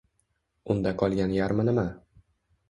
Unda qolgan yarmi nima?